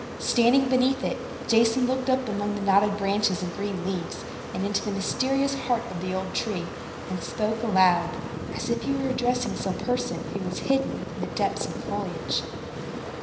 Standing beneath it, Jason looked up among the knotted branches and green leaves, and into the mysterious heart of the old tree, and spoke aloud, as if he were addressing some person who was hidden in the depths of the foliage.